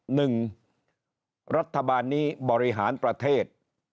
หนึ่งรัฐบาลนี้บริหารประเทศ